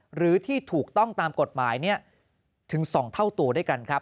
หรือที่ถูกต้องตามกฎหมายถึง๒เท่าตัวด้วยกันครับ